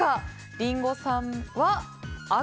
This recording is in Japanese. リンゴさんは赤。